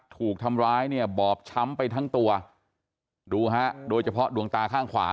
ถูกทำร้ายเนี่ยบอบช้ำไปทั้งตัวดูฮะโดยเฉพาะดวงตาข้างขวา